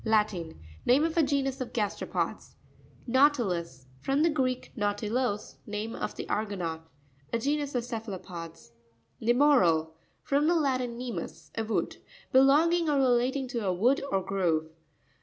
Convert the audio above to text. —Latin. Name of a genus of gasteropods (pages 34 and 51). Nav'titus.—From the Greek, Nau tilos, name of the Argonaut. A genus of cephalopods. Ne'morau.—From the Latin, nemus, a wood. Belonging or relating to a wood or grove.